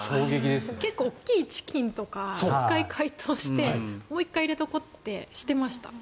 結構、大きいチキンとか１回、解凍してもう１回入れておこうってしてました。